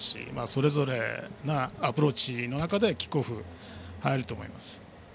それぞれのアプローチの中でキックオフに入ると思います。